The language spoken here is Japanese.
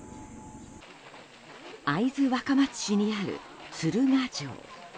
会津若松市にある鶴ヶ城。